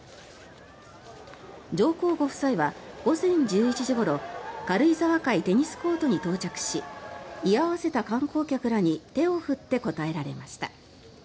上皇ご夫妻は午前１１時ごろ軽井沢会テニスコートに到着し居合わせた観光客らに手を振って応えられました。